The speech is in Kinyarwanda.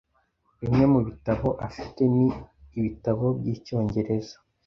Bimwe mubitabo afite ni ibitabo byicyongereza.